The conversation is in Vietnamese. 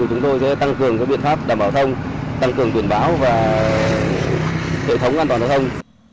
chúng tôi sẽ tăng cường các biện pháp đảm bảo thông tăng cường biển báo và hệ thống an toàn giao thông